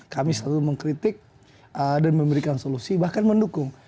kami selalu mengkritik dan memberikan solusi bahkan mendukung